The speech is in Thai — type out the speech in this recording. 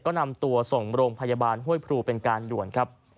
ก็นำตัวส่งโรงพยาบาลห้วยพรูเป็นการด่วนครับ